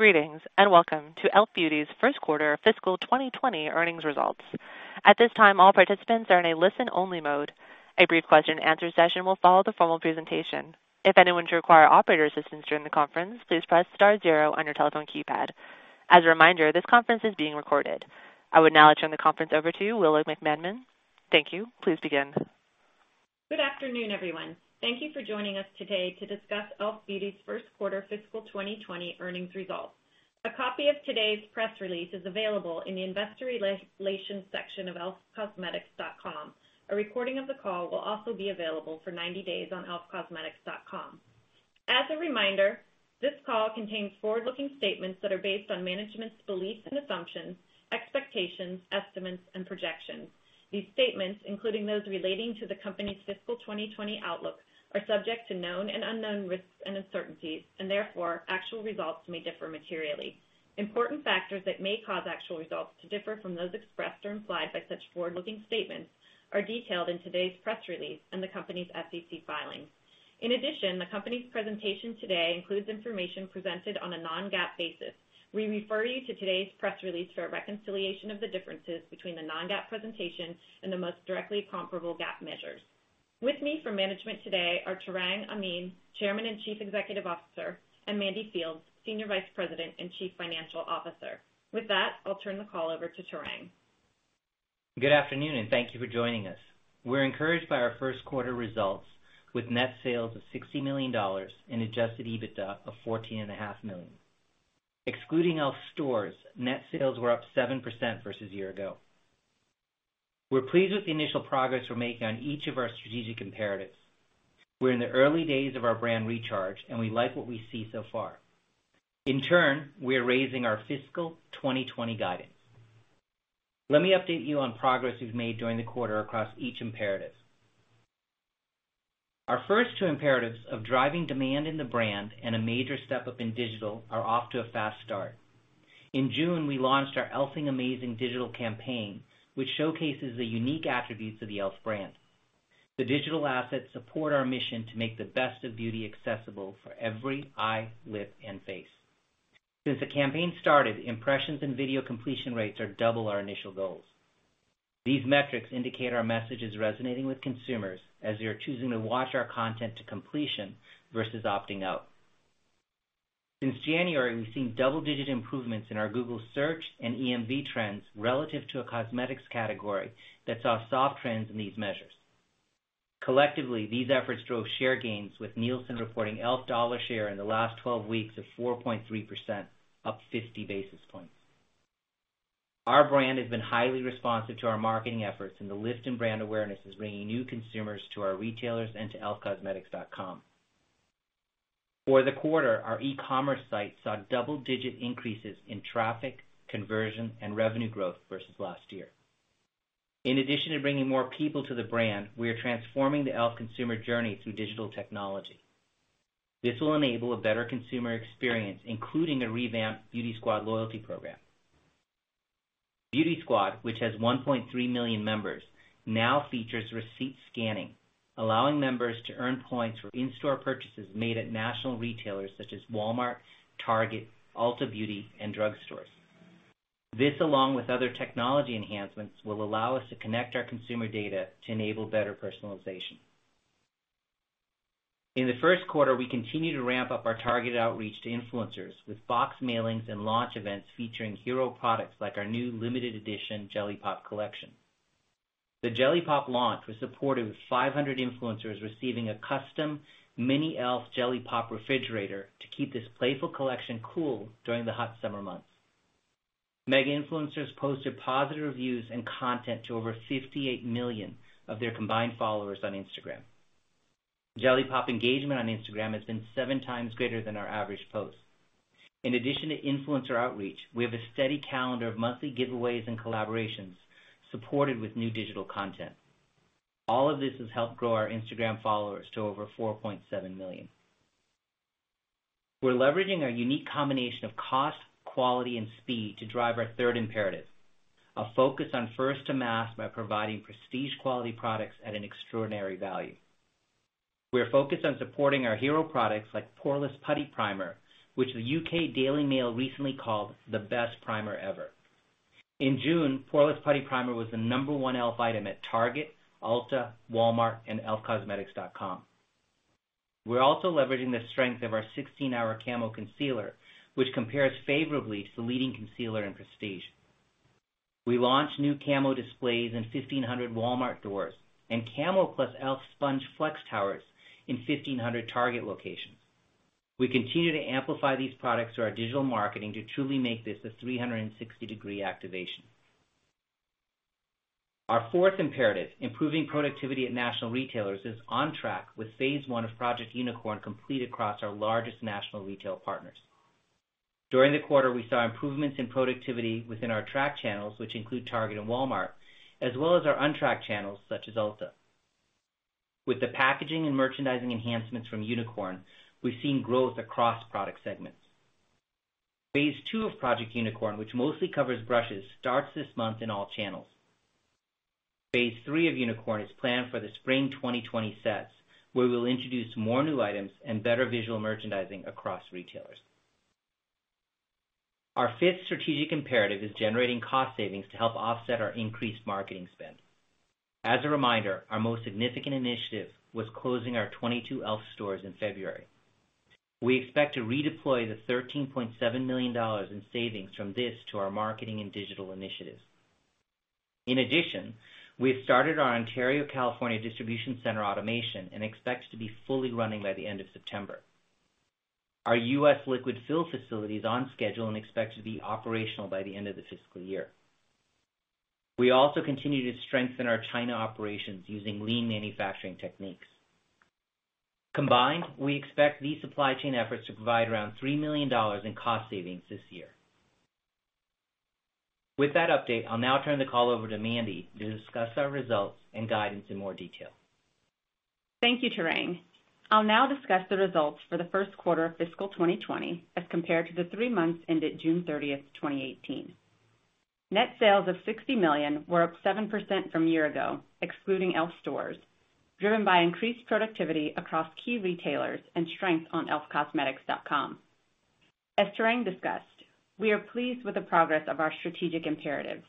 Greetings, and welcome to e.l.f. Beauty's first quarter fiscal 2020 earnings results. At this time, all participants are in a listen-only mode. A brief question and answer session will follow the formal presentation. If anyone should require operator assistance during the conference, please press star zero on your telephone keypad. As a reminder, this conference is being recorded. I would now turn the conference over to Willa McManmon. Thank you. Please begin. Good afternoon, everyone. Thank you for joining us today to discuss e.l.f. Beauty's first quarter fiscal 2020 earnings results. A copy of today's press release is available in the investor relations section of elfcosmetics.com. A recording of the call will also be available for 90 days on elfcosmetics.com. As a reminder, this call contains forward-looking statements that are based on management's beliefs and assumptions, expectations, estimates, and projections. These statements, including those relating to the company's fiscal 2020 outlook, are subject to known and unknown risks and uncertainties, and therefore, actual results may differ materially. Important factors that may cause actual results to differ from those expressed or implied by such forward-looking statements are detailed in today's press release and the company's SEC filings. In addition, the company's presentation today includes information presented on a non-GAAP basis. We refer you to today's press release for a reconciliation of the differences between the non-GAAP presentation and the most directly comparable GAAP measures. With me for management today are Tarang Amin, Chairman and Chief Executive Officer, and Mandy Fields, Senior Vice President and Chief Financial Officer. With that, I'll turn the call over to Tarang. Good afternoon, and thank you for joining us. We're encouraged by our first quarter results with net sales of $60 million and adjusted EBITDA of $14.5 million. Excluding e.l.f. stores, net sales were up 7% versus year ago. We're pleased with the initial progress we're making on each of our strategic imperatives. We're in the early days of our brand recharge and we like what we see so far. We are raising our fiscal 2020 guidance. Let me update you on progress we've made during the quarter across each imperative. Our first two imperatives of driving demand in the brand and a major step-up in digital are off to a fast start. In June, we launched our e.l.f.ing Amazing digital campaign, which showcases the unique attributes of the e.l.f. brand. The digital assets support our mission to make the best of beauty accessible for every eye, lip, and face. Since the campaign started, impressions and video completion rates are double our initial goals. These metrics indicate our message is resonating with consumers as they are choosing to watch our content to completion versus opting out. Since January, we've seen double-digit improvements in our Google Search and EMV trends relative to a cosmetics category that saw soft trends in these measures. Collectively, these efforts drove share gains with Nielsen reporting e.l.f. dollar share in the last 12 weeks of 4.3%, up 50 basis points. Our brand has been highly responsive to our marketing efforts, and the lift in brand awareness is bringing new consumers to our retailers and to elfcosmetics.com. For the quarter, our e-commerce site saw double-digit increases in traffic, conversion, and revenue growth versus last year. In addition to bringing more people to the brand, we are transforming the e.l.f. consumer journey through digital technology. This will enable a better consumer experience, including a revamped Beauty Squad loyalty program. Beauty Squad, which has 1.3 million members, now features receipt scanning, allowing members to earn points for in-store purchases made at national retailers such as Walmart, Target, Ulta Beauty, and drugstores. This, along with other technology enhancements, will allow us to connect our consumer data to enable better personalization. In the first quarter, we continued to ramp up our targeted outreach to influencers with box mailings and launch events featuring hero products like our new limited edition Jelly Pop collection. The Jelly Pop launch was supported with 500 influencers receiving a custom mini e.l.f. Jelly Pop refrigerator to keep this playful collection cool during the hot summer months. Mega influencers posted positive reviews and content to over 58 million of their combined followers on Instagram. Jelly Pop engagement on Instagram has been seven times greater than our average post. In addition to influencer outreach, we have a steady calendar of monthly giveaways and collaborations supported with new digital content. All of this has helped grow our Instagram followers to over 4.7 million. We're leveraging our unique combination of cost, quality, and speed to drive our third imperative, a focus on first to mass by providing prestige quality products at an extraordinary value. We're focused on supporting our hero products like Poreless Putty Primer, which the U.K. Daily Mail recently called the best primer ever. In June, Poreless Putty Primer was the number one e.l.f. item at Target, Ulta, Walmart, and elfcosmetics.com. We're also leveraging the strength of our 16HR Camo Concealer, which compares favorably to the leading concealer in prestige. We launched new Camo displays in 1,500 Walmart stores and Camo plus e.l.f. Sponge Flex towers in 1,500 Target locations. We continue to amplify these products through our digital marketing to truly make this a 360-degree activation. Our fourth imperative, improving productivity at national retailers, is on track with phase 1 of Project Unicorn complete across our largest national retail partners. During the quarter, we saw improvements in productivity within our track channels, which include Target and Walmart, as well as our untracked channels such as Ulta. With the packaging and merchandising enhancements from Unicorn, we've seen growth across product segments. Phase 2 of Project Unicorn, which mostly covers brushes, starts this month in all channels. Phase three of Unicorn is planned for the spring 2020 sets, where we'll introduce more new items and better visual merchandising across retailers. Our fifth strategic imperative is generating cost savings to help offset our increased marketing spend. As a reminder, our most significant initiative was closing our 22 e.l.f. stores in February. We expect to redeploy the $13.7 million in savings from this to our marketing and digital initiatives. In addition, we have started our Ontario, California, distribution center automation and expect to be fully running by the end of September. Our U.S. liquid fill facility is on schedule and expected to be operational by the end of the fiscal year. We also continue to strengthen our China operations using lean manufacturing techniques. Combined, we expect these supply chain efforts to provide around $3 million in cost savings this year. With that update, I'll now turn the call over to Mandy to discuss our results and guidance in more detail. Thank you, Tarang. I'll now discuss the results for the first quarter of fiscal 2020 as compared to the three months ended June 30th, 2018. Net sales of $60 million were up 7% from a year ago, excluding e.l.f. stores, driven by increased productivity across key retailers and strength on elfcosmetics.com. As Tarang discussed, we are pleased with the progress of our strategic imperatives,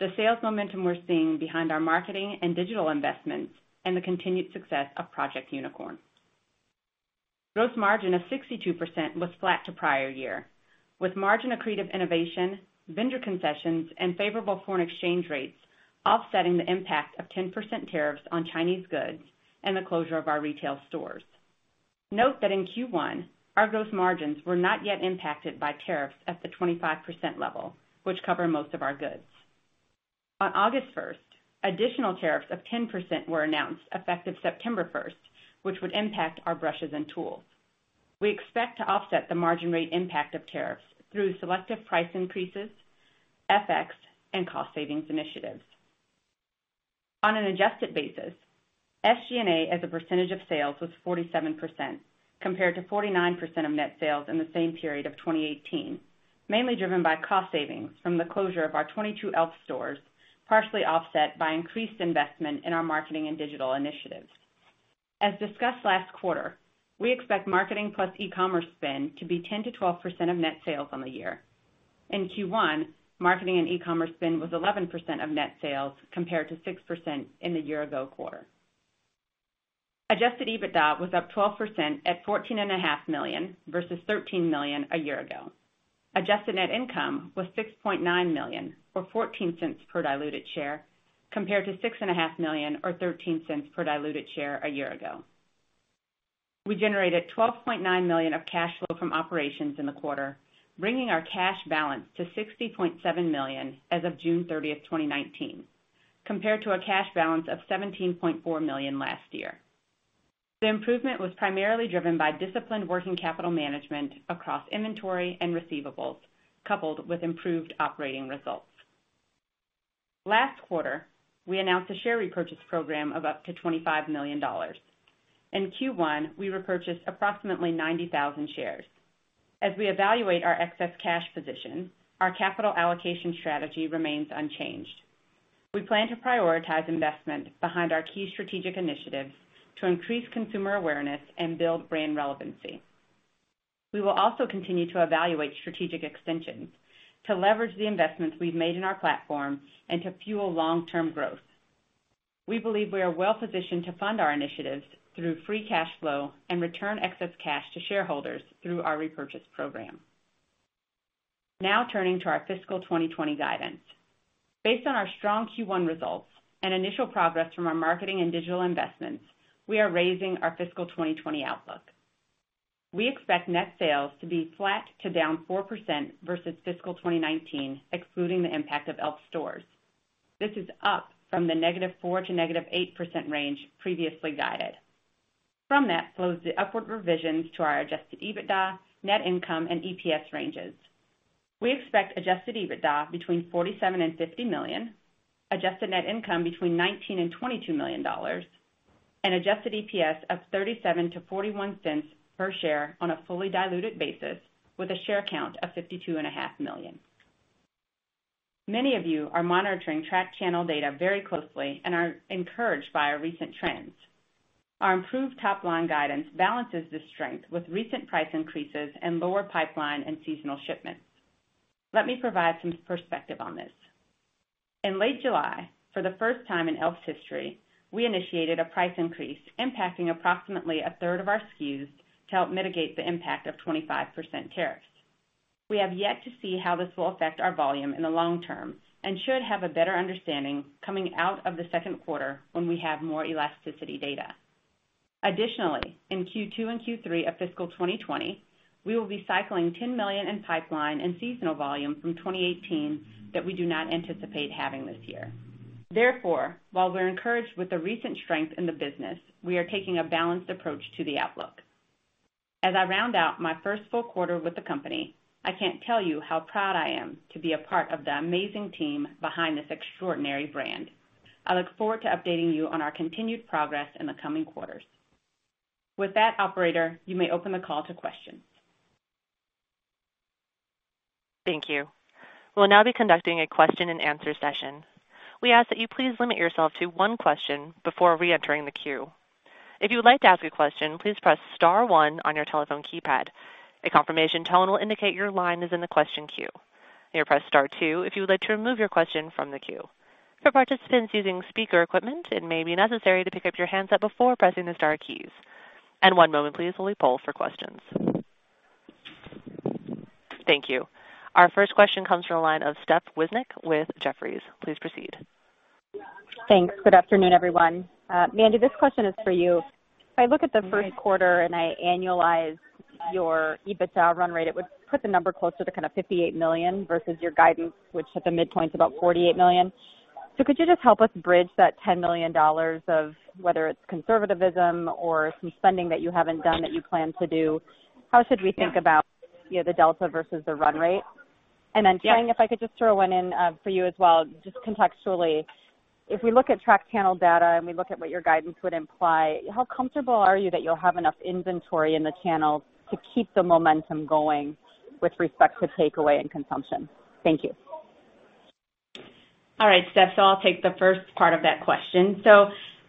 the sales momentum we're seeing behind our marketing and digital investments, and the continued success of Project Unicorn. Gross margin of 62% was flat to prior year, with margin accretive innovation, vendor concessions, and favorable foreign exchange rates offsetting the impact of 10% tariffs on Chinese goods and the closure of our retail stores. Note that in Q1, our gross margins were not yet impacted by tariffs at the 25% level, which cover most of our goods. On August 1st, additional tariffs of 10% were announced, effective September 1st, which would impact our brushes and tools. We expect to offset the margin rate impact of tariffs through selective price increases, FX, and cost savings initiatives. On an adjusted basis, SG&A as a percentage of sales was 47%, compared to 49% of net sales in the same period of 2018, mainly driven by cost savings from the closure of our 22 e.l.f. stores, partially offset by increased investment in our marketing and digital initiatives. As discussed last quarter, we expect marketing plus e-commerce spend to be 10%-12% of net sales on the year. In Q1, marketing and e-commerce spend was 11% of net sales, compared to 6% in the year-ago quarter. Adjusted EBITDA was up 12% at $14.5 million versus $13 million a year ago. Adjusted net income was $6.9 million, or $0.14 per diluted share, compared to $6.5 million, or $0.13 per diluted share, a year ago. We generated $12.9 million of cash flow from operations in the quarter, bringing our cash balance to $60.7 million as of June 30th, 2019, compared to a cash balance of $17.4 million last year. The improvement was primarily driven by disciplined working capital management across inventory and receivables, coupled with improved operating results. Last quarter, we announced a share repurchase program of up to $25 million. In Q1, we repurchased approximately 90,000 shares. As we evaluate our excess cash position, our capital allocation strategy remains unchanged. We plan to prioritize investment behind our key strategic initiatives to increase consumer awareness and build brand relevancy. We will also continue to evaluate strategic extensions to leverage the investments we've made in our platform and to fuel long-term growth. We believe we are well-positioned to fund our initiatives through free cash flow and return excess cash to shareholders through our repurchase program. Now turning to our fiscal 2020 guidance. Based on our strong Q1 results and initial progress from our marketing and digital investments, we are raising our fiscal 2020 outlook. We expect net sales to be flat to down 4% versus fiscal 2019, excluding the impact of e.l.f. stores. This is up from the -4% to -8% range previously guided. From that flows the upward revisions to our adjusted EBITDA, net income, and EPS ranges. We expect adjusted EBITDA between $47 million and $50 million, adjusted net income between $19 million and $22 million, and adjusted EPS of $0.37-$0.41 per share on a fully diluted basis with a share count of 52.5 million. Many of you are monitoring track channel data very closely and are encouraged by our recent trends. Our improved top-line guidance balances this strength with recent price increases and lower pipeline and seasonal shipments. Let me provide some perspective on this. In late July, for the first time in e.l.f.'s history, we initiated a price increase impacting approximately a third of our SKUs to help mitigate the impact of 25% tariffs. We have yet to see how this will affect our volume in the long term and should have a better understanding coming out of the second quarter when we have more elasticity data. Additionally, in Q2 and Q3 of fiscal 2020, we will be cycling $10 million in pipeline and seasonal volume from 2018 that we do not anticipate having this year. Therefore, while we're encouraged with the recent strength in the business, we are taking a balanced approach to the outlook. As I round out my first full quarter with the company, I can't tell you how proud I am to be a part of the amazing team behind this extraordinary brand. I look forward to updating you on our continued progress in the coming quarters. With that, operator, you may open the call to questions. Thank you. We'll now be conducting a question and answer session. We ask that you please limit yourself to one question before reentering the queue. If you would like to ask a question, please press star one on your telephone keypad. A confirmation tone will indicate your line is in the question queue. You may press star two if you would like to remove your question from the queue. For participants using speaker equipment, it may be necessary to pick up your handset before pressing the star keys. One moment, please, while we poll for questions. Thank you. Our first question comes from the line of Steph Wissink with Jefferies. Please proceed. Thanks. Good afternoon, everyone. Mandy, this question is for you. If I look at the first quarter and I annualize your EBITDA run rate, it would put the number closer to $58 million versus your guidance, which at the midpoint is about $48 million. Could you just help us bridge that $10 million of whether it's conservativism or some spending that you haven't done that you plan to do? How should we think about the delta versus the run rate? Yeah. Tarang, if I could just throw one in for you as well, just contextually, if we look at track channel data and we look at what your guidance would imply, how comfortable are you that you'll have enough inventory in the channel to keep the momentum going with respect to takeaway and consumption? Thank you. All right, Steph. I'll take the first part of that question.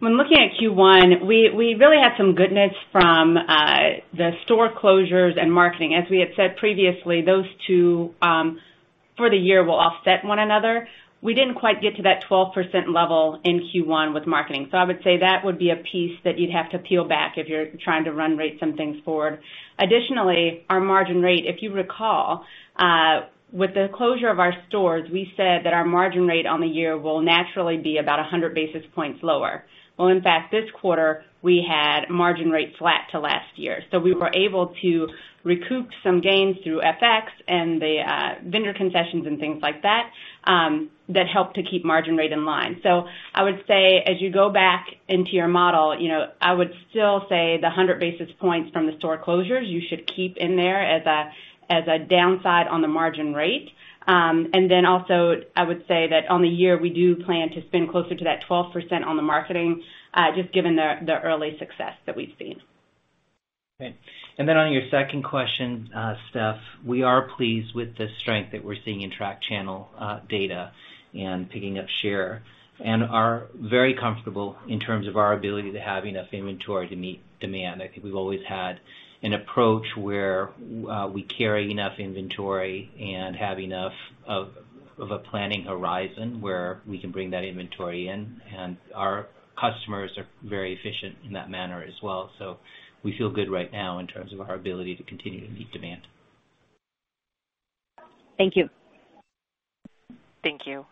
When looking at Q1, we really had some goodness from the store closures and marketing. As we had said previously, those two, for the year, will offset one another. We didn't quite get to that 12% level in Q1 with marketing. I would say that would be a piece that you'd have to peel back if you're trying to run rate some things forward. Additionally, our margin rate, if you recall, with the closure of our stores, we said that our margin rate on the year will naturally be about 100 basis points lower. Well, in fact, this quarter, we had margin rates flat to last year. We were able to recoup some gains through FX and the vendor concessions and things like that helped to keep margin rate in line. I would say as you go back into your model, I would still say the 100 basis points from the store closures, you should keep in there as a downside on the margin rate. Also, I would say that on the year, we do plan to spend closer to that 12% on the marketing, just given the early success that we've seen. Great. On your second question, Steph, we are pleased with the strength that we're seeing in track channel data and picking up share, and are very comfortable in terms of our ability to have enough inventory to meet demand. I think we've always had an approach where we carry enough inventory and have enough of a planning horizon where we can bring that inventory in, and our customers are very efficient in that manner as well. We feel good right now in terms of our ability to continue to meet demand. Thank you. Thank you.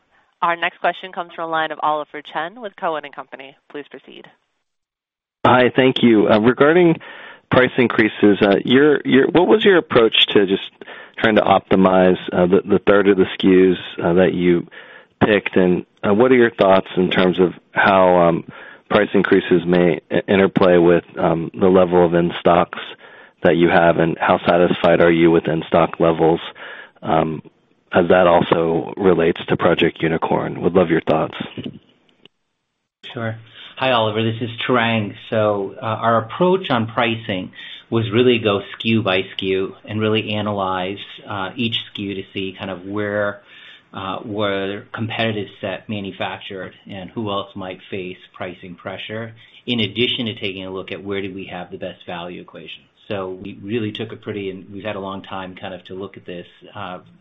Our next question comes from the line of Oliver Chen with Cowen and Company. Please proceed. Hi. Thank you. Regarding price increases, what was your approach to just trying to optimize the third of the SKUs that you picked, and what are your thoughts in terms of how price increases may interplay with the level of in-stocks that you have, and how satisfied are you with in-stock levels as that also relates to Project Unicorn? Would love your thoughts. Sure. Hi, Oliver, this is Tarang. Our approach on pricing was really go SKU by SKU and really analyze each SKU to see where the competitive set manufactured and who else might face pricing pressure, in addition to taking a look at where do we have the best value equation. We really took a pretty, and we've had a long time to look at this,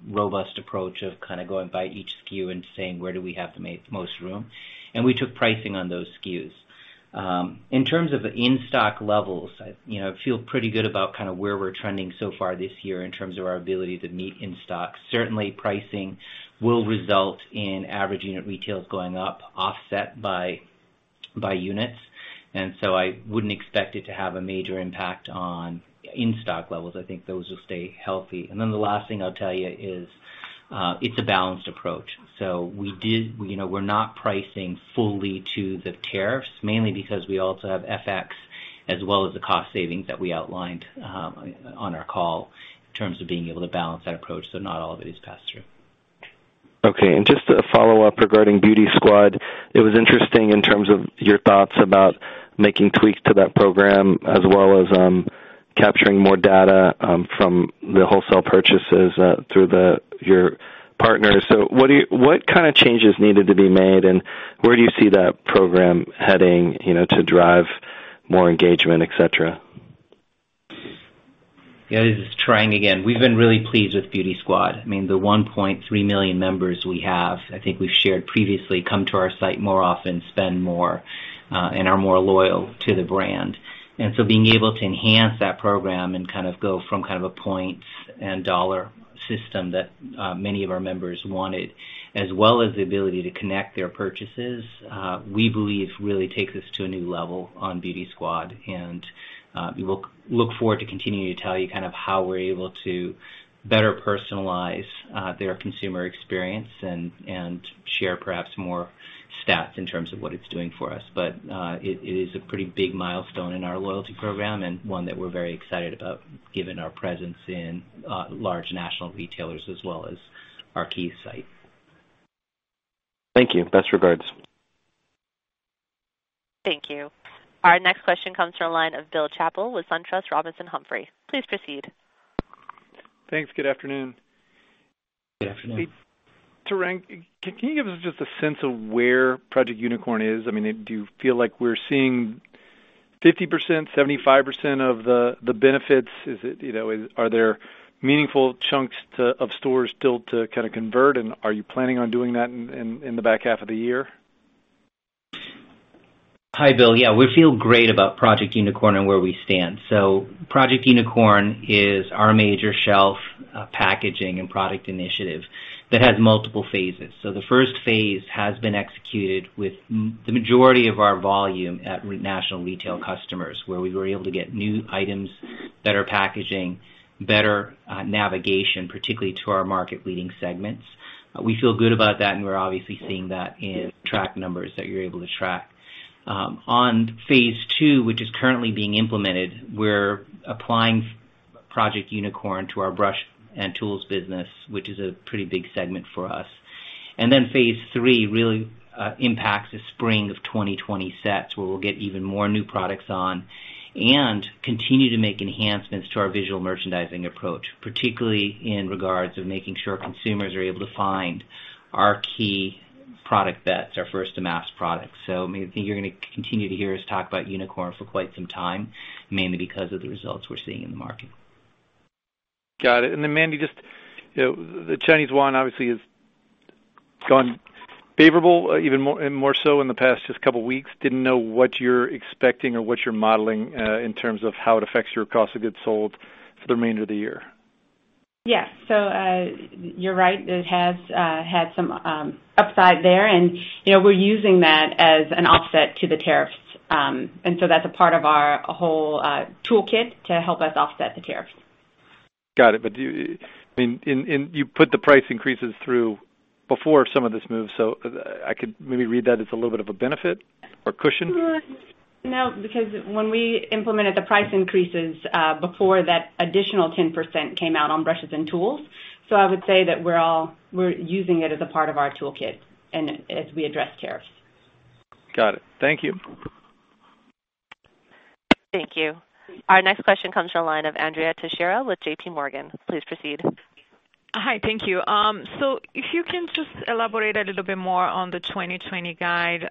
robust approach of going by each SKU and saying, "Where do we have the most room?" We took pricing on those SKUs. In terms of in-stock levels, I feel pretty good about where we're trending so far this year in terms of our ability to meet in-stocks. Certainly, pricing will result in average unit retails going up, offset by units. I wouldn't expect it to have a major impact on in-stock levels. I think those will stay healthy. The last thing I'll tell you is it's a balanced approach. We're not pricing fully to the tariffs, mainly because we also have FX as well as the cost savings that we outlined on our call in terms of being able to balance that approach. Not all of it is passed through. Okay. Just a follow-up regarding Beauty Squad. It was interesting in terms of your thoughts about making tweaks to that program as well as capturing more data from the wholesale purchases through your partners. What kind of changes needed to be made, and where do you see that program heading to drive more engagement, et cetera? Yeah, this is Tarang again. We've been really pleased with Beauty Squad. I mean, the 1.3 million members we have, I think we've shared previously, come to our site more often, spend more, and are more loyal to the brand. Being able to enhance that program and go from a points and dollar system that many of our members wanted, as well as the ability to connect their purchases, we believe really takes us to a new level on Beauty Squad. We look forward to continuing to tell you how we're able to better personalize their consumer experience and share perhaps more stats in terms of what it's doing for us. It is a pretty big milestone in our loyalty program and one that we're very excited about given our presence in large national retailers as well as our key site. Thank you. Best regards. Thank you. Our next question comes from the line of Bill Chappell with SunTrust Robinson Humphrey. Please proceed. Thanks. Good afternoon. Good afternoon. Tarang, can you give us just a sense of where Project Unicorn is? Do you feel like we're seeing 50%, 75% of the benefits? Are there meaningful chunks of stores still to convert, and are you planning on doing that in the back half of the year? Hi, Bill. Yeah, we feel great about Project Unicorn and where we stand. Project Unicorn is our major shelf, packaging, and product initiative that has multiple phases. The first phase has been executed with the majority of our volume at national retail customers, where we were able to get new items, better packaging, better navigation, particularly to our market leading segments. We feel good about that, and we're obviously seeing that in track numbers that you're able to track. On phase 2, which is currently being implemented, we're applying Project Unicorn to our brush and tools business, which is a pretty big segment for us. Phase 3 really impacts the spring of 2020 sets, where we'll get even more new products on and continue to make enhancements to our visual merchandising approach, particularly in regards of making sure consumers are able to find our key product bets, our first-to-mass products. I think you're going to continue to hear us talk about Unicorn for quite some time, mainly because of the results we're seeing in the market. Got it. Then Mandy, the Chinese yuan obviously has gone favorable, even more so in the past just couple of weeks. Didn't know what you're expecting or what you're modeling in terms of how it affects your cost of goods sold for the remainder of the year. Yes. You're right. It has had some upside there, and we're using that as an offset to the tariffs. That's a part of our whole toolkit to help us offset the tariffs. Got it. You put the price increases through before some of this move, I could maybe read that as a little bit of a benefit or cushion? No, because when we implemented the price increases before that additional 10% came out on brushes and tools. I would say that we're using it as a part of our toolkit as we address tariffs. Got it. Thank you. Thank you. Our next question comes from the line of Andrea Teixeira with J.P. Morgan. Please proceed. Hi. Thank you. If you can just elaborate a little bit more on the 2020 guide.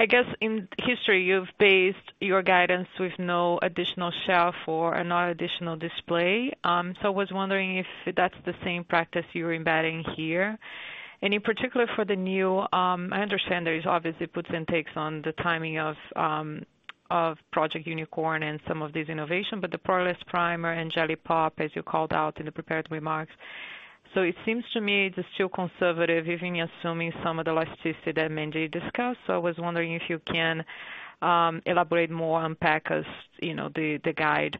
I guess in history, you've based your guidance with no additional shelf or no additional display. I was wondering if that's the same practice you're embedding here. In particular for the new, I understand there is obviously puts and takes on the timing of Project Unicorn and some of these innovations, but the Poreless Primer and Jelly Pop, as you called out in the prepared remarks. It seems to me it's still conservative, even assuming some of the elasticity that Mandy discussed. I was wondering if you can elaborate more, unpack the guide.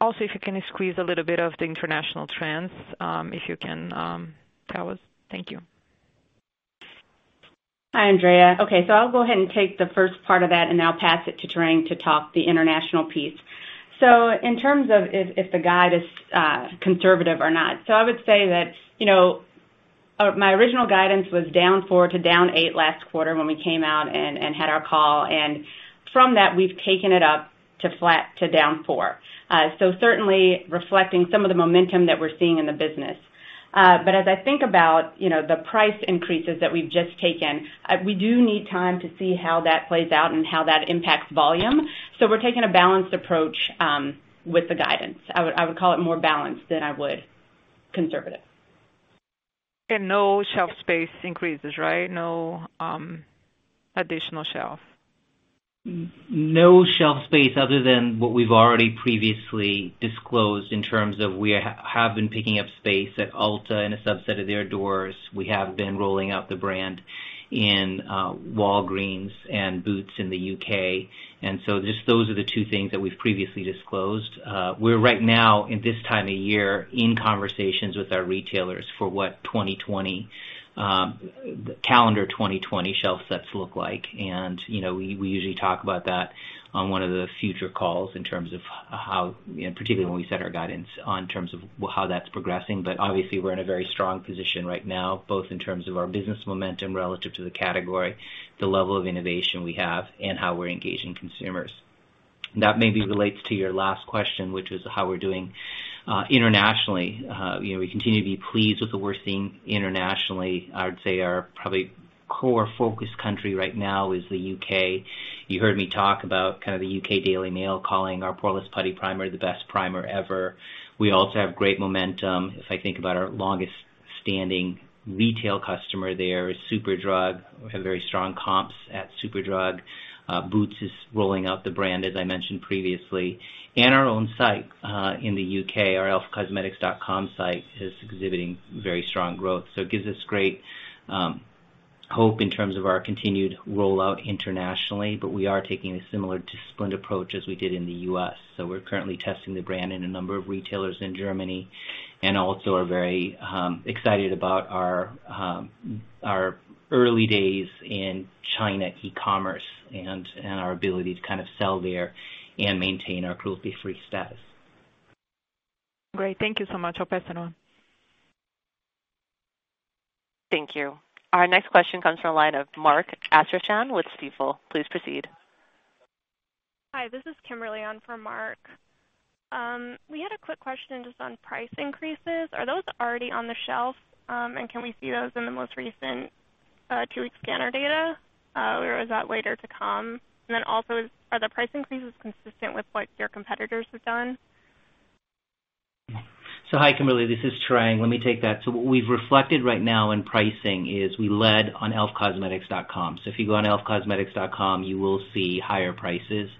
Also, if you can squeeze a little bit of the international trends, if you can tell us. Thank you. Hi, Andrea. Okay, I'll go ahead and take the first part of that, and then I'll pass it to Tarang to talk the international piece. In terms of if the guide is conservative or not. I would say that my original guidance was down four to down eight last quarter when we came out and had our call, and from that, we've taken it up to flat to down four. Certainly reflecting some of the momentum that we're seeing in the business. As I think about the price increases that we've just taken, we do need time to see how that plays out and how that impacts volume. We're taking a balanced approach with the guidance. I would call it more balanced than I would conservative. No shelf space increases, right? No additional shelf. No shelf space other than what we've already previously disclosed in terms of we have been picking up space at Ulta in a subset of their doors. We have been rolling out the brand in Walgreens and Boots in the U.K. Just those are the two things that we've previously disclosed. We're right now, in this time of year, in conversations with our retailers for what calendar 2020 shelf sets look like. We usually talk about that on one of the future calls in terms of how, particularly when we set our guidance, on terms of how that's progressing. Obviously, we're in a very strong position right now, both in terms of our business momentum relative to the category, the level of innovation we have, and how we're engaging consumers. That maybe relates to your last question, which was how we're doing internationally. We continue to be pleased with what we're seeing internationally. I would say our probably core focus country right now is the U.K. You heard me talk about the U.K. Daily Mail calling our Poreless Putty Primer the best primer ever. We also have great momentum. If I think about our longest-standing retail customer there, Superdrug. We have very strong comps at Superdrug. Boots is rolling out the brand, as I mentioned previously. Our own site in the U.K., our elfcosmetics.com site, is exhibiting very strong growth. It gives us great hope in terms of our continued rollout internationally, but we are taking a similar disciplined approach as we did in the U.S. We're currently testing the brand in a number of retailers in Germany, and also are very excited about our early days in China e-commerce and our ability to sell there and maintain our cruelty-free status. Great. Thank you so much. I'll pass it on. Thank you. Our next question comes from the line of Mark Astrachan with Stifel. Please proceed. Hi, this is Kimberly on for Mark. We had a quick question just on price increases. Are those already on the shelf, and can we see those in the most recent two-week scanner data, or is that later to come? Also, are the price increases consistent with what your competitors have done? Hi, Kimberly. This is Tarang. Let me take that. What we've reflected right now in pricing is we led on elfcosmetics.com. If you go on elfcosmetics.com, you will see higher prices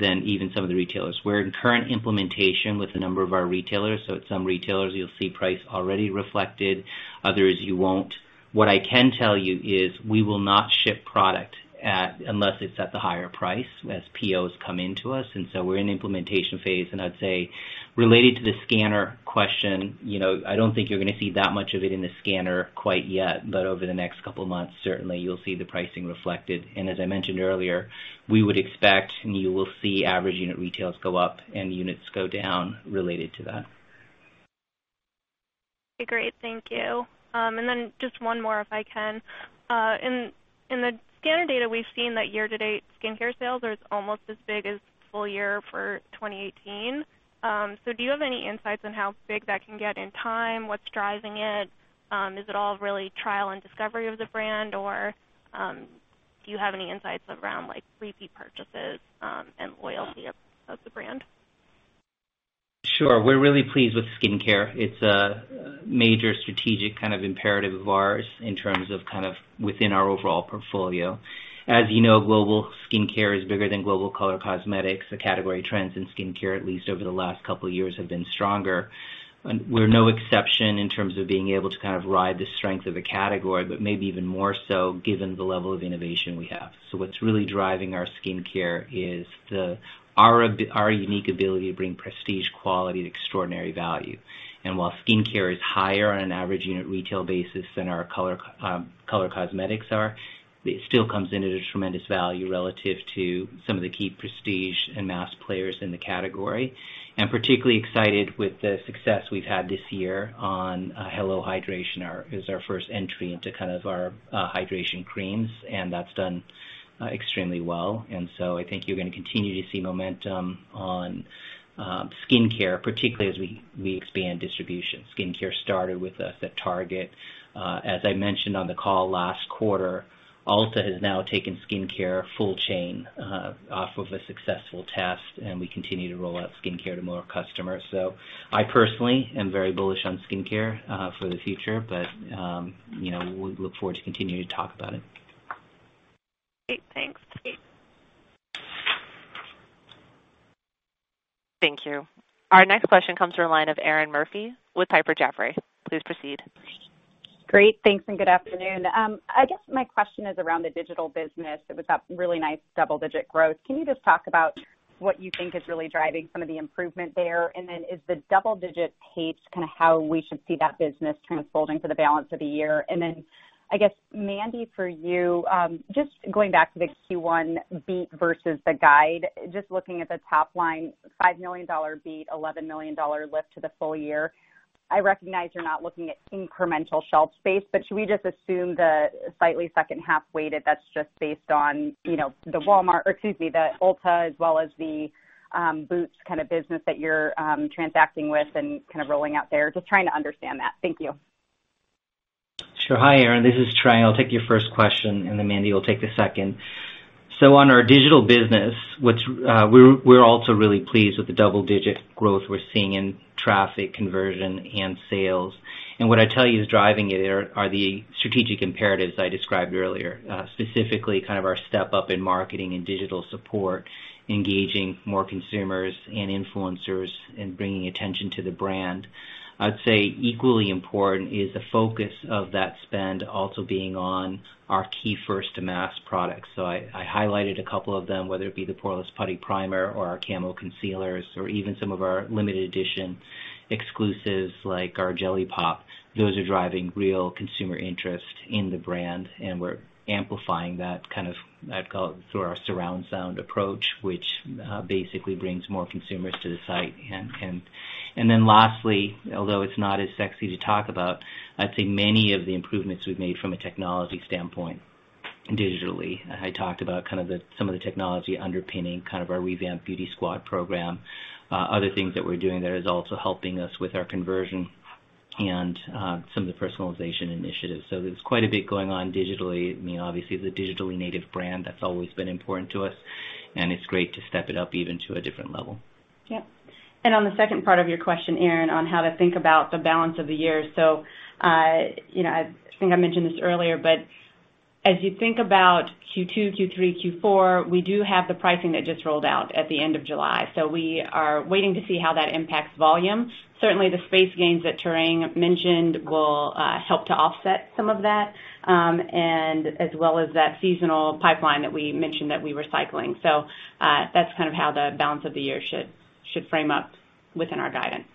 than even some of the retailers. We're in current implementation with a number of our retailers, so at some retailers you'll see price already reflected, others you won't. What I can tell you is we will not ship product unless it's at the higher price as POs come into us. We're in the implementation phase, and I'd say related to the scanner question, I don't think you're going to see that much of it in the scanner quite yet, but over the next couple of months, certainly you'll see the pricing reflected. As I mentioned earlier, we would expect, and you will see average unit retails go up and units go down related to that. Okay, great. Thank you. Then just one more, if I can. In the scanner data, we've seen that year-to-date skincare sales are almost as big as full year for 2018. Do you have any insights on how big that can get in time? What's driving it? Is it all really trial and discovery of the brand, or do you have any insights around repeat purchases and loyalty of the brand? Sure. We're really pleased with skincare. It's a major strategic kind of imperative of ours in terms of within our overall portfolio. As you know, global skincare is bigger than global color cosmetics. The category trends in skincare, at least over the last couple of years, have been stronger. We're no exception in terms of being able to kind of ride the strength of a category, but maybe even more so given the level of innovation we have. What's really driving our skincare is our unique ability to bring prestige, quality, and extraordinary value. While skincare is higher on an average unit retail basis than our color cosmetics are, it still comes in at a tremendous value relative to some of the key prestige and mass players in the category. Particularly excited with the success we've had this year on Holy Hydration!, is our first entry into kind of our hydration creams, and that's done extremely well. I think you're going to continue to see momentum on skincare, particularly as we expand distribution. Skincare started with us at Target. As I mentioned on the call last quarter, Ulta has now taken skincare full chain off of a successful test, and we continue to roll out skincare to more customers. I personally am very bullish on skincare for the future. We look forward to continuing to talk about it. Great. Thanks. Thank you. Our next question comes from the line of Erinn Murphy with Piper Sandler. Please proceed. Great. Thanks, good afternoon. I guess my question is around the digital business with that really nice double-digit growth. Can you just talk about what you think is really driving some of the improvement there? Is the double-digit pace kind of how we should see that business unfolding for the balance of the year? I guess, Mandy, for you, just going back to the Q1 beat versus the guide, just looking at the top line, $5 million beat, $11 million lift to the full year. I recognize you're not looking at incremental shelf space, should we just assume the slightly second half weighted, that's just based on the Ulta Beauty as well as the Boots kind of business that you're transacting with and kind of rolling out there? Just trying to understand that. Thank you. Sure. Hi, Erinn, this is Tarang. I'll take your first question, and then Mandy will take the second. On our digital business, we're also really pleased with the double-digit growth we're seeing in traffic conversion and sales. What I'd tell you is driving it are the strategic imperatives I described earlier, specifically kind of our step up in marketing and digital support, engaging more consumers and influencers and bringing attention to the brand. I'd say equally important is the focus of that spend also being on our key first-to-mass products. I highlighted a couple of them, whether it be the Poreless Putty Primer or our Camo Concealer, or even some of our limited edition exclusives like our Jelly Pop. Those are driving real consumer interest in the brand, and we're amplifying that kind of, I'd call it through our surround sound approach, which basically brings more consumers to the site. Lastly, although it's not as sexy to talk about, I'd say many of the improvements we've made from a technology standpoint digitally. I talked about kind of some of the technology underpinning kind of our revamped Beauty Squad program. Other things that we're doing there is also helping us with our conversion and some of the personalization initiatives. There's quite a bit going on digitally. Obviously, as a digitally native brand, that's always been important to us, and it's great to step it up even to a different level. Yep. On the second part of your question, Erinn, on how to think about the balance of the year. I think I mentioned this earlier, but as you think about Q2, Q3, Q4, we do have the pricing that just rolled out at the end of July. We are waiting to see how that impacts volume. Certainly, the space gains that Tarang mentioned will help to offset some of that, and as well as that seasonal pipeline that we mentioned that we were cycling. That's kind of how the balance of the year should frame up within our guidance.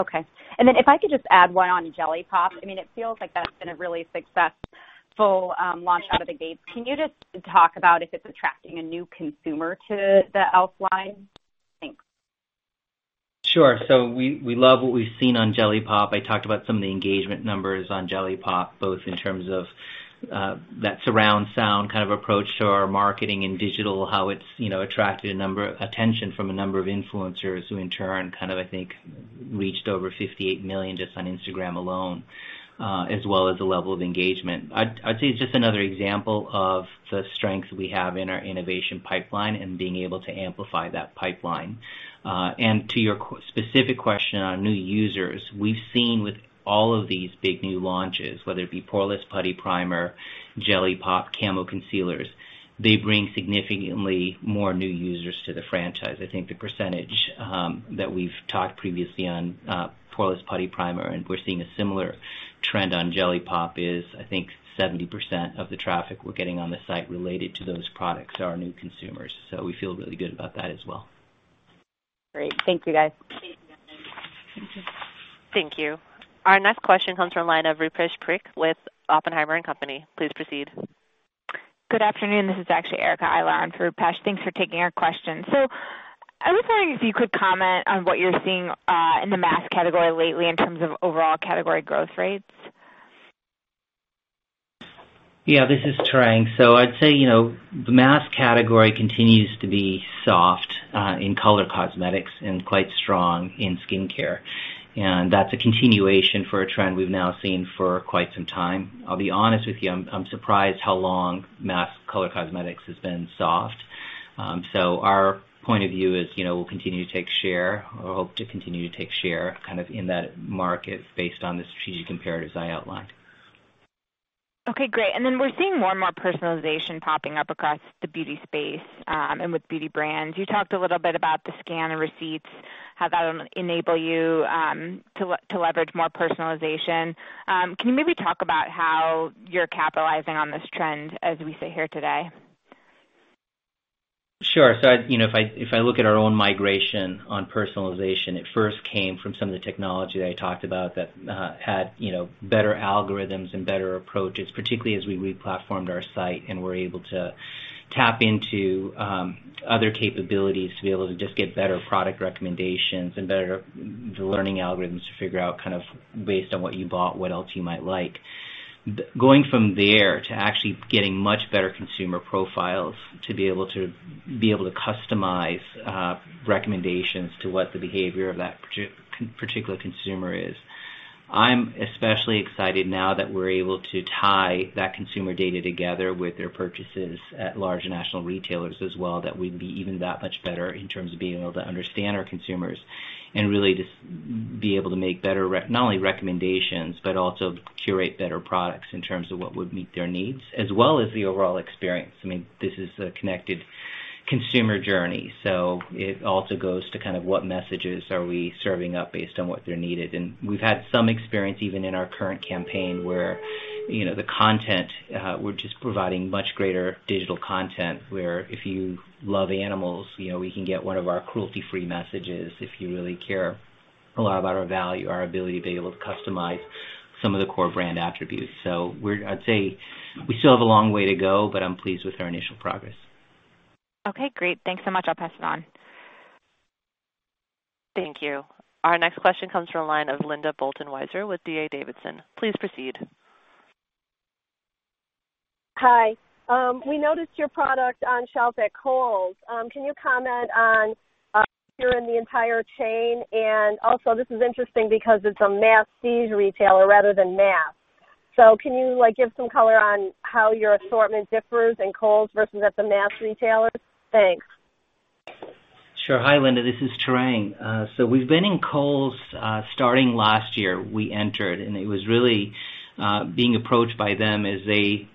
Okay. If I could just add one on Jelly Pop. It feels like that's been a really successful launch out of the gates. Can you just talk about if it's attracting a new consumer to the e.l.f. line? Thanks. Sure. We love what we've seen on Jelly Pop. I talked about some of the engagement numbers on Jelly Pop, both in terms of that surround sound kind of approach to our marketing and digital, how it's attracted attention from a number of influencers who in turn kind of, I think, reached over 58 million just on Instagram alone, as well as the level of engagement. I'd say it's just another example of the strength we have in our innovation pipeline and being able to amplify that pipeline. To your specific question on new users, we've seen with all of these big new launches, whether it be Poreless Putty Primer, Jelly Pop, Camo Concealer, they bring significantly more new users to the franchise. I think the percentage that we've talked previously on Poreless Putty Primer, and we're seeing a similar trend on Jelly Pop, is I think 70% of the traffic we're getting on the site related to those products are new consumers. We feel really good about that as well. Great. Thank you, guys. Thank you. Our next question comes from the line of Rupesh Parikh with Oppenheimer & Co. Please proceed. Good afternoon. This is actually Erica Eiler for Rupesh. Thanks for taking our question. I was wondering if you could comment on what you're seeing in the mass category lately in terms of overall category growth rates. Yeah, this is Tarang. I'd say, the mass category continues to be soft in color cosmetics and quite strong in skincare, and that's a continuation for a trend we've now seen for quite some time. I'll be honest with you, I'm surprised how long mass color cosmetics has been soft. Our point of view is we'll continue to take share or hope to continue to take share kind of in that market based on the strategic imperatives I outlined. Okay, great. Then we're seeing more and more personalization popping up across the beauty space, and with beauty brands. You talked a little bit about the scan and receipts, how that'll enable you to leverage more personalization. Can you maybe talk about how you're capitalizing on this trend as we sit here today? Sure. If I look at our own migration on personalization, it first came from some of the technology that I talked about that had better algorithms and better approaches, particularly as we re-platformed our site and were able to tap into other capabilities to be able to just get better product recommendations and better learning algorithms to figure out kind of based on what you bought, what else you might like. Going from there to actually getting much better consumer profiles to be able to customize recommendations to what the behavior of that particular consumer is. I'm especially excited now that we're able to tie that consumer data together with their purchases at large national retailers as well, that we'd be even that much better in terms of being able to understand our consumers and really just be able to make better, not only recommendations, but also curate better products in terms of what would meet their needs as well as the overall experience. This is a connected consumer journey. It also goes to kind of what messages are we serving up based on what they're needed. We've had some experience even in our current campaign where the content, we're just providing much greater digital content where if you love animals, we can get one of our cruelty-free messages if you really care a lot about our value, our ability to be able to customize some of the core brand attributes. I'd say we still have a long way to go, but I'm pleased with our initial progress. Okay, great. Thanks so much. I'll pass it on. Thank you. Our next question comes from the line of Linda Bolton Weiser with D.A. Davidson. Please proceed. Hi. We noticed your product on shelves at Kohl's. Can you comment on here in the entire chain? Also, this is interesting because it's a masstige retailer rather than mass. Can you give some color on how your assortment differs in Kohl's versus at the mass retailers? Thanks. Sure. Hi, Linda, this is Tarang. We've been in Kohl's starting last year we entered, and it was really being approached by them as they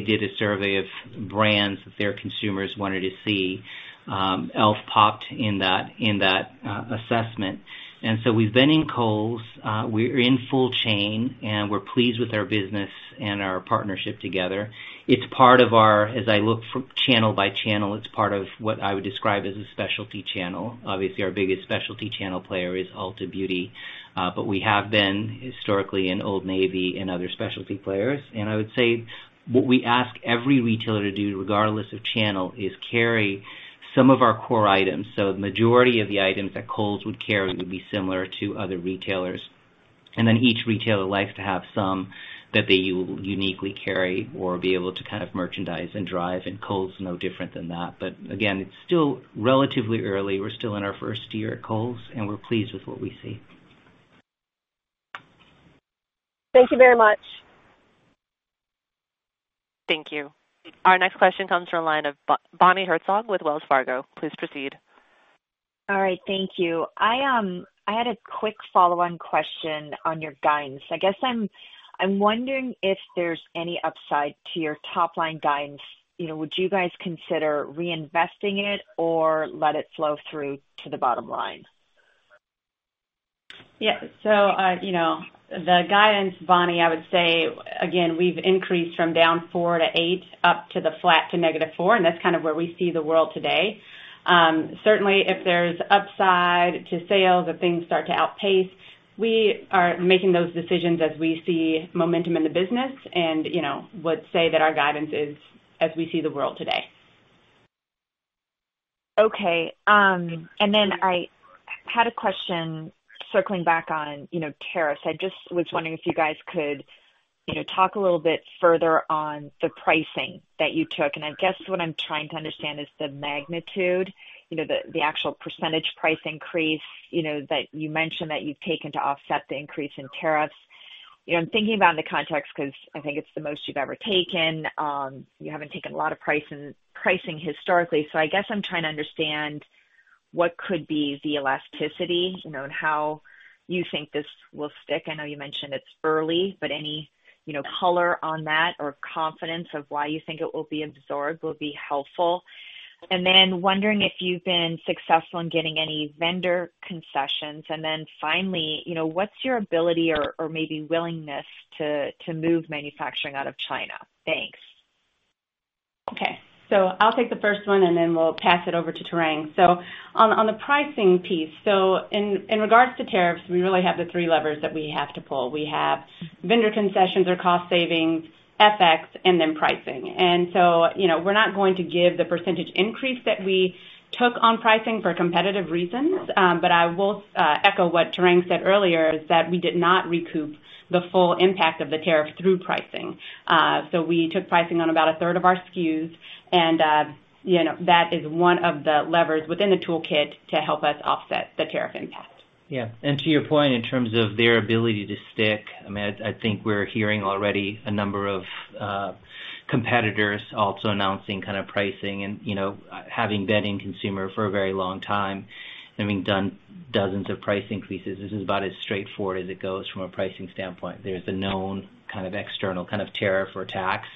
did a survey of brands that their consumers wanted to see. e.l.f. popped in that assessment. We've been in Kohl's. We're in full chain, and we're pleased with our business and our partnership together. It's part of our, as I look for channel by channel, it's part of what I would describe as a specialty channel. Obviously, our biggest specialty channel player is Ulta Beauty. We have been historically in Old Navy and other specialty players. I would say what we ask every retailer to do, regardless of channel, is carry some of our core items. The majority of the items that Kohl's would carry would be similar to other retailers. Each retailer likes to have some that they uniquely carry or be able to kind of merchandise and drive. Kohl's is no different than that. Again, it's still relatively early. We're still in our first year at Kohl's, and we're pleased with what we see. Thank you very much. Thank you. Our next question comes from the line of Bonnie Herzog with Wells Fargo. Please proceed. All right, thank you. I had a quick follow-on question on your guidance. I guess I'm wondering if there's any upside to your top-line guidance. Would you guys consider reinvesting it or let it flow through to the bottom line? The guidance, Bonnie, I would say, again, we've increased from down 4% to 8% up to the flat to negative 4%, and that's kind of where we see the world today. Certainly, if there's upside to sales, if things start to outpace, we are making those decisions as we see momentum in the business and would say that our guidance is as we see the world today. Okay. Then I had a question circling back on tariffs. I just was wondering if you guys could talk a little bit further on the pricing that you took. I guess what I'm trying to understand is the magnitude, the actual percentage price increase that you mentioned that you've taken to offset the increase in tariffs. I'm thinking about it in the context because I think it's the most you've ever taken. You haven't taken a lot of pricing historically. I guess I'm trying to understand what could be the elasticity, and how you think this will stick. I know you mentioned it's early, but any color on that or confidence of why you think it will be absorbed will be helpful. I'm wondering if you've been successful in getting any vendor concessions. Finally, what's your ability or maybe willingness to move manufacturing out of China? Thanks. Okay. I'll take the first one, and then we'll pass it over to Tarang. On the pricing piece. In regards to tariffs, we really have the three levers that we have to pull. We have vendor concessions or cost savings, FX, and then pricing. We're not going to give the % increase that we took on pricing for competitive reasons. I will echo what Tarang said earlier, is that we did not recoup the full impact of the tariff through pricing. We took pricing on about a third of our SKUs, and that is one of the levers within the toolkit to help us offset the tariff impact. Yeah. To your point, in terms of their ability to stick, I think we're hearing already a number of competitors also announcing pricing and having been in consumer for a very long time, having done dozens of price increases, this is about as straightforward as it goes from a pricing standpoint. There's a known kind of external tariff or tax.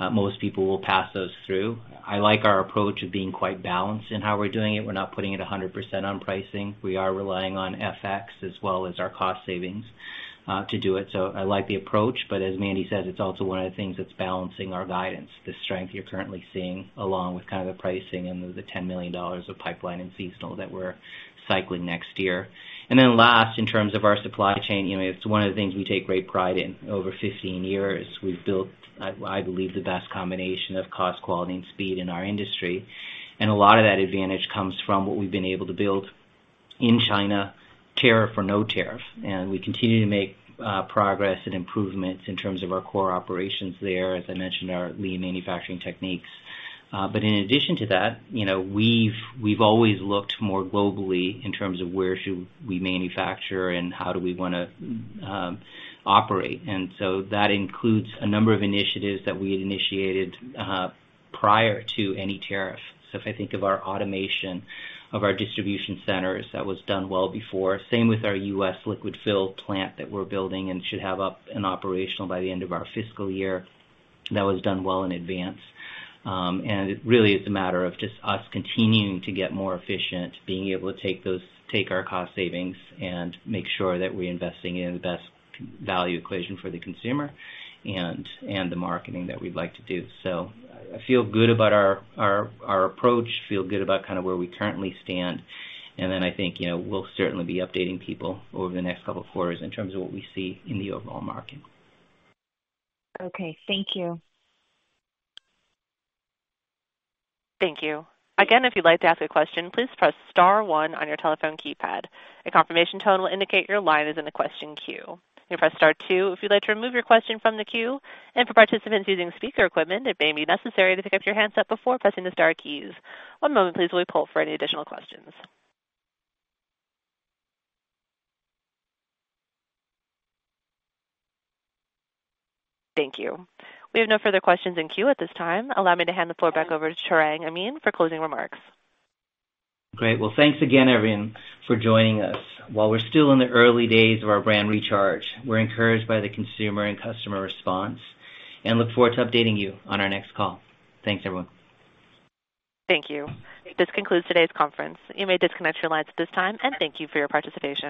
Most people will pass those through. I like our approach of being quite balanced in how we're doing it. We're not putting it 100% on pricing. We are relying on FX as well as our cost savings to do it. I like the approach, but as Mandy says, it's also one of the things that's balancing our guidance, the strength you're currently seeing, along with the pricing and the $10 million of pipeline and seasonal that we're cycling next year. Last, in terms of our supply chain, it's one of the things we take great pride in. Over 15 years, we've built, I believe, the best combination of cost, quality, and speed in our industry. A lot of that advantage comes from what we've been able to build in China, tariff or no tariff. We continue to make progress and improvements in terms of our core operations there, as I mentioned, our lean manufacturing techniques. In addition to that, we've always looked more globally in terms of where should we manufacture and how do we want to operate. That includes a number of initiatives that we had initiated prior to any tariff. If I think of our automation of our distribution centers, that was done well before. Same with our U.S. liquid fill plant that we're building and should have up and operational by the end of our fiscal year. That was done well in advance. It really is a matter of just us continuing to get more efficient, being able to take our cost savings and make sure that we're investing in the best value equation for the consumer and the marketing that we'd like to do. I feel good about our approach, feel good about where we currently stand, I think we'll certainly be updating people over the next couple of quarters in terms of what we see in the overall market. Okay. Thank you. Thank you. Again, if you'd like to ask a question, please press star one on your telephone keypad. A confirmation tone will indicate your line is in the question queue. You may press star two if you'd like to remove your question from the queue. For participants using speaker equipment, it may be necessary to pick up your handset before pressing the star keys. One moment please while we poll for any additional questions. Thank you. We have no further questions in queue at this time. Allow me to hand the floor back over to Tarang Amin for closing remarks. Great. Well, thanks again, everyone, for joining us. While we're still in the early days of our brand recharge, we're encouraged by the consumer and customer response and look forward to updating you on our next call. Thanks, everyone. Thank you. This concludes today's conference. You may disconnect your lines at this time, and thank you for your participation.